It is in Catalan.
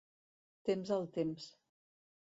Temps al temps.